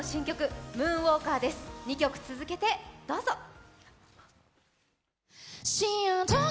２曲続けて、どうぞ。